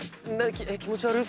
気持ち悪っ